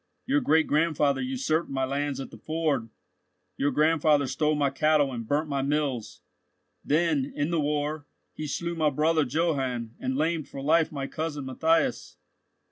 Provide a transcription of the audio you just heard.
Your great grandfather usurped my lands at the ford. Your grandfather stole my cattle and burnt my mills. Then, in the war, he slew my brother Johann and lamed for life my cousin Matthias.